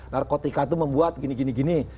narkotika itu membuat gini gini